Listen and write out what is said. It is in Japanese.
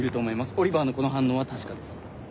オリバーのこの反応は確かです。